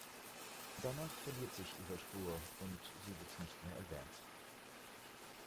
Danach verliert sich ihre Spur und sie wird nicht mehr erwähnt.